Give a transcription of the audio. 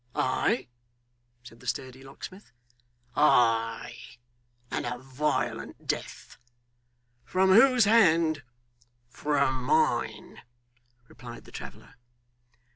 'Aye!' said the sturdy locksmith. 'Aye! and a violent death.' 'From whose hand?' 'From mine,' replied the traveller.